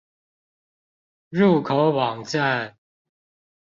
入口網站